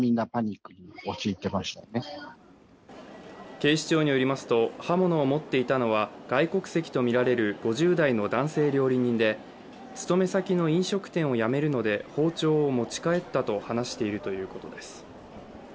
警視庁によりますと刃物を持っていたのは外国籍とみられる５０代の男性料理人で勤め先の飲食店を辞めるので、包丁を持ち帰ったと話しているということです。